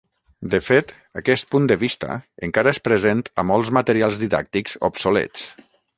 De fet, aquest punt de vista encara és present a molts materials didàctics obsolets.